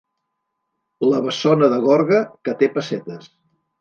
La bessona de Gorga, que té pessetes.